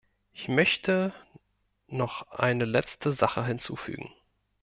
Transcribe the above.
Ich möchte noch eine letzte Sache hinzufügen.